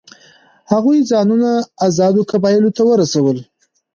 هغوی ځانونه آزادو قبایلو ته ورسول.